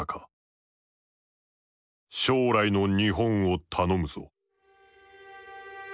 「将来の日本を頼むぞ」。